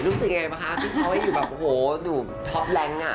รู้สึกยังไงบ้างคะที่เขาอยู่แบบโอ้โหอยู่ท็อปแรงอ่ะ